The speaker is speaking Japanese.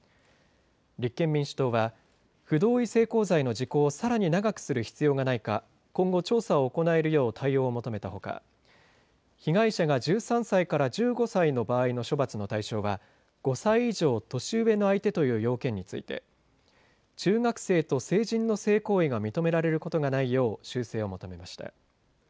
立憲民主党は不同意性交罪の時効をさらに長くする必要がないか今後、調査を行えるよう対応を求めたほか被害者が１３歳から１５歳の場合の処罰の対象は５歳以上年上の相手という要件について中学生と成人の性行為が認められることがないよう修正を求めました。